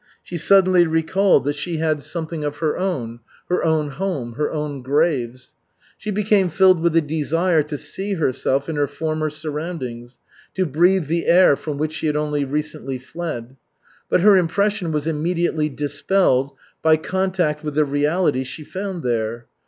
She suddenly recalled that she had something of her own: her own home, her own graves. She became filled with a desire to see herself in her former surroundings, to breathe the air from which she had only recently fled. But her impression was immediately dispelled by contact with the reality she found there.